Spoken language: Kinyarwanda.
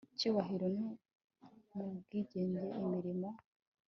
cyubahiro no mu bwigenge imirimo